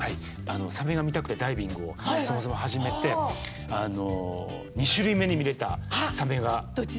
サメが見たくてダイビングをそもそも始めて２種類目に見れたサメがドチザメで。